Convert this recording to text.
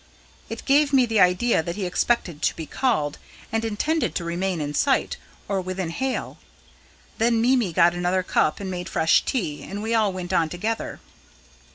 It gave me the idea that he expected to be called, and intended to remain in sight, or within hail. Then Mimi got another cup and made fresh tea, and we all went on together."